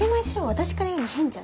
私から言うの変じゃん。